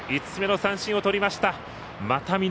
５つ目の三振をとりました。